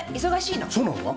そうなのか？